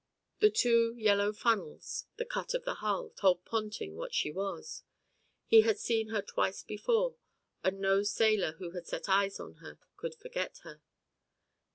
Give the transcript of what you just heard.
The two yellow funnels, the cut of the hull, told Ponting what she was. He had seen her twice before and no sailor who had once set eyes on her could forget her.